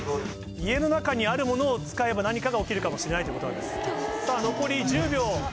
家の中にある物を使えば何かが起きるかもしれないってことなんですさぁ残り１０秒。